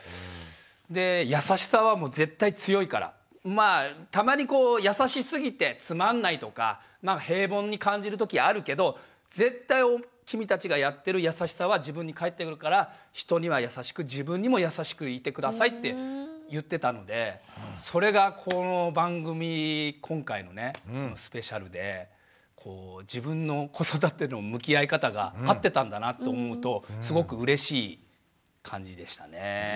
で優しさは絶対強いからまあたまにこう優しすぎてつまんないとか平凡に感じる時あるけど絶対君たちがやってる優しさは自分に返ってくるからって言ってたのでそれがこの番組今回のねスペシャルで自分の子育ての向き合い方が合ってたんだなって思うとすごくうれしい感じでしたね。